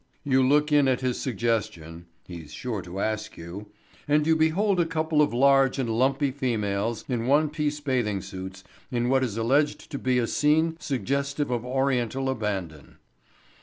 You look in at his suggestion (he's sure to ask you) and you behold a couple of large and lumpy females in one piece bathing suits in what is alleged to be a scene suggestive of Oriental abandon.